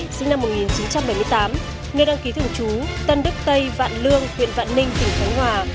truy nã đối tượng nguyễn thanh hải sinh năm một nghìn chín trăm bảy mươi tám nghe đăng ký thường trú tân đức tây vạn lương huyện vạn ninh tỉnh thánh hòa